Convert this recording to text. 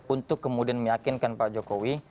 untuk kemudian meyakinkan pak jokowi